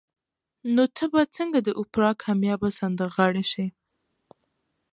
نو ته به څنګه د اوپرا کاميابه سندرغاړې شې